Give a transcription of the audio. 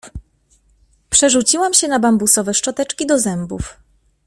Przerzuciłam się na bambusowe szczoteczki do zębów.